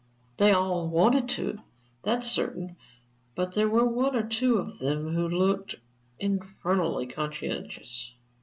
They all want to that's certain. But there were one or two of them who looked infernally conscientious."